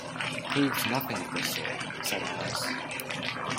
‘It proves nothing of the sort!’ said Alice.